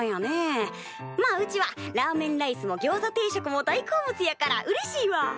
まあうちはラーメンライスもギョウザ定食も大好物やからうれしいわ。